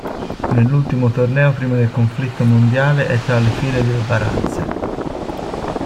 Nell'ultimo torneo prima del conflitto mondiale è tra le file del Varazze.